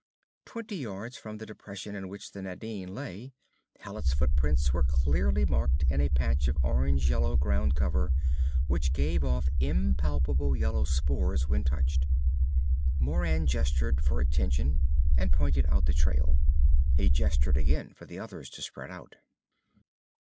Twenty yards from the depression in which the Nadine lay, Hallet's footprints were clearly marked in a patch of orange yellow ground cover which gave off impalpable yellow spores when touched. Moran gestured for attention and pointed out the trail. He gestured again for the others to spread out.